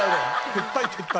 撤退撤退。